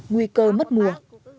nguy cơ mất mùa